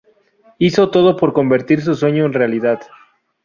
Hizo todo por convertir su sueño en realidad.